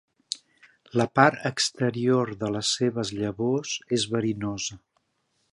La part exterior de les seves llavors és verinosa.